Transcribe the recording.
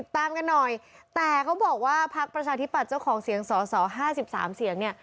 แต่พระการธิบัตรเจ้าของเซียงสภ๔๓เซียง